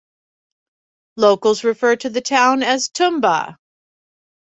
Locals refer to the town as 'Tumba'.